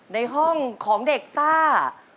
ในห้องของเด็กซ่า